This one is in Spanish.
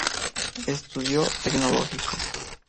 Estudio tecnológico.